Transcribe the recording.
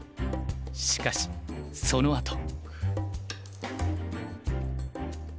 しかしそのあと。